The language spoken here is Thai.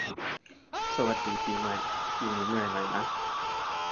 สวัสดีปีใหม่ ปีนี้เหนื่อยหน่อยนะ